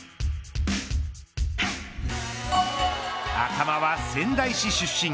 赤間は仙台市出身。